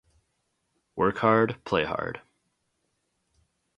Work hard, play hard.